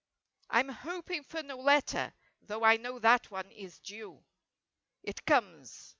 I'm hoping for no letter—though I know that one is due. It comes.